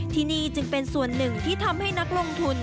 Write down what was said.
ที่นี่จึงเป็นส่วนหนึ่งที่ทำให้นักลงทุน